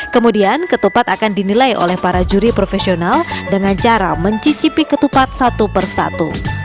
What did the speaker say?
kemudian ketupat akan dinilai oleh para juri profesional dengan cara mencicipi ketupat satu persatu